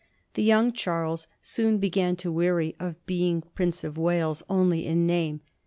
The young Charles soon began to weary of being Prince of Wales only in name.